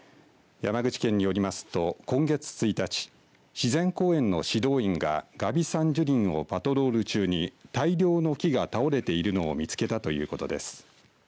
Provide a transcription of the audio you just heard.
山口県によりますと今月１日自然公園の指導員が峨嵋山樹林をパトロール中に大量の木が倒れているのを見つけたということです。